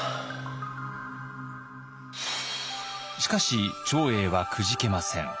しかし長英はくじけません。